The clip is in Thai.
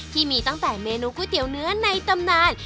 ที่มีตั้งแต่เมนูก๋วยเตี๋ยวเนื้อในตำนาน